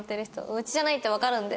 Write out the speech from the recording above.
うちじゃないってわかるんで。